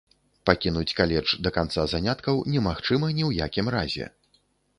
Пакінуць каледж да канца заняткаў немагчыма ні ў якім разе.